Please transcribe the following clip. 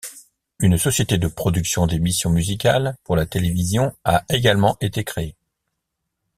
Une société de production d'émissions musicales pour la télévision a également été créée.